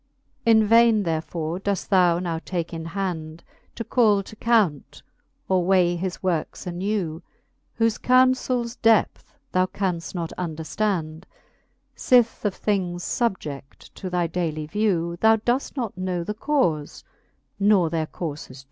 In vaine therefore doeft thou now take in hand, To call to count, or weigh his works anew, Whoie counlels depth thou canft not underftand, Sith of things fubje6i to thy daily vew Thou doeft not know the caufes, nor their courfes dew.